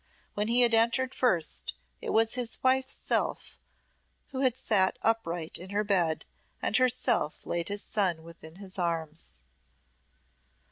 When he had entered first, it was his wife's self who had sate upright in her bed, and herself laid his son within his arms.